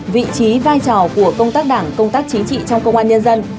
vị trí vai trò của công tác đảng công tác chính trị trong công an nhân dân